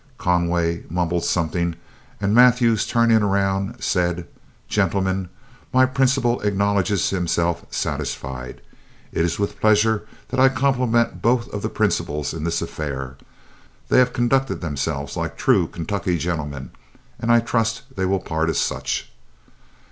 Conway mumbled something, and Mathews turning around, said: "Gentlemen, my principal acknowledges himself satisfied. It is with pleasure that I compliment both of the principals in this affair. They have conducted themselves like true Kentucky gentlemen, and I trust they will part as such."